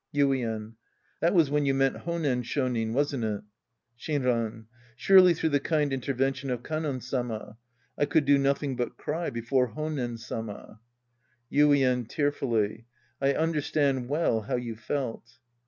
Yuien. That was when you met H5nen Sh5nin, wasn't it ? Shinran. Surely through the kind intervention of Kannon Sama. I could do nothing but cry before H5nen Sama. Yuien {tearfully). I understand well how you felt.